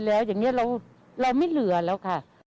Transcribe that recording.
แล้วเราไม่เหลือแล้วค่ะ